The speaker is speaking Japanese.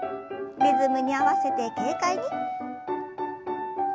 リズムに合わせて軽快に。